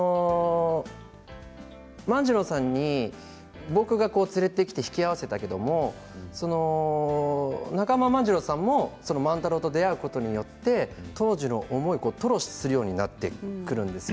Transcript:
万次郎さんに僕が連れてきて引き合わせたけれども万次郎さんも万太郎と出会うことによって当時の思いを吐露するようになってくるんです